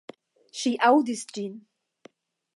Ŝi aŭdis ĝin.